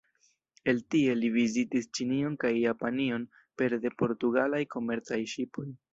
El tie, li vizitis Ĉinion kaj Japanion pere de portugalaj komercaj ŝipoj.